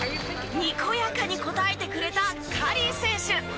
にこやかに答えてくれたカリー選手。